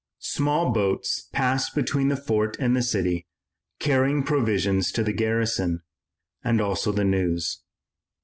Small boats passed between the fort and the city, carrying provisions to the garrison, and also the news.